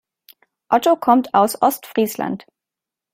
Otto kommt aus Ostfriesland.